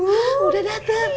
hah udah dateng